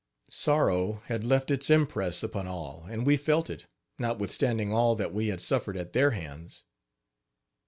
Sorrow had left its impress upon all and we felt it, notwithstanding all that we had suffered at their hands.